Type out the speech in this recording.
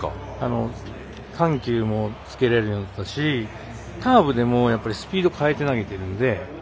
緩急もつけれるようになったしカーブでも、スピード変えて投げてるので。